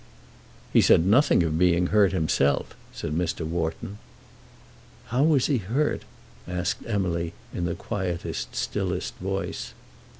"He said nothing of being hurt himself," said Mr. Wharton. "How was he hurt?" asked Emily in the quietest, stillest voice.